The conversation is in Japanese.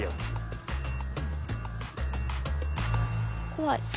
怖い。